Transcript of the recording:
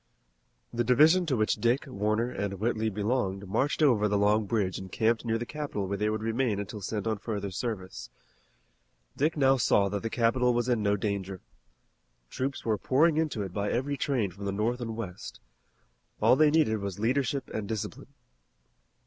The division to which Dick, Warner, and Whitley belonged marched over the Long Bridge and camped near the capital where they would remain until sent on further service. Dick now saw that the capital was in no danger. Troops were pouring into it by every train from the north and west. All they needed was leadership and discipline.